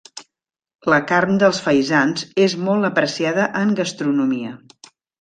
La carn dels faisans és molt apreciada en gastronomia.